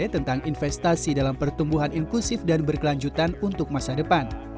tentang investasi dalam pertumbuhan inklusif dan berkelanjutan untuk masa depan